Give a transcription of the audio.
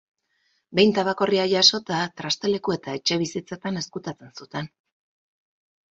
Behin tabakorria jasota, trasteleku eta etxebizitzetan ezkutatzen zuten.